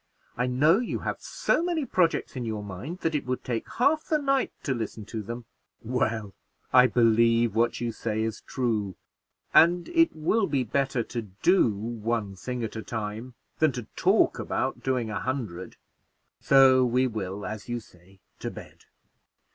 I know you have so many projects in your mind that it would take half the night to listen to them." "Well, I believe what you say is true," replied Humphrey, "and it will be better to do one thing at a time than to talk about doing a hundred; so we will, as you say, to bed."